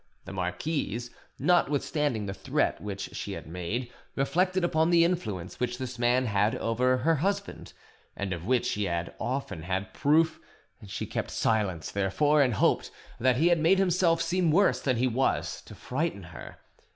The marquise, notwithstanding the threat which she had made, reflected upon the influence which this man had over her husband, and of which she had often had proof she kept silence, therefore, and hoped that he had made himself seem worse than he was, to frighten her.